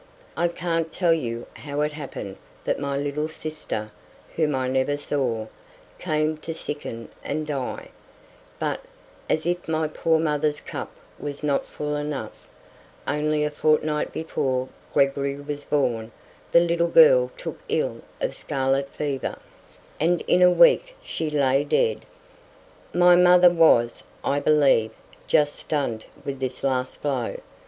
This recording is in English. I can't tell you how it happened that my little sister, whom I never saw, came to sicken and die; but, as if my poor mother's cup was not full enough, only a fortnight before Gregory was born the little girl took ill of scarlet fever, and in a week she lay dead. My mother was, I believe, just stunned with this last blow.